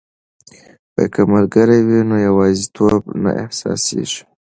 که ملګري وي نو یوازیتوب نه احساسیږي.